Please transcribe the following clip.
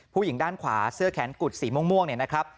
ผู้หญิงด้านขวาเสื้อแขนกุดสีม่วงเนี่ยนะครับ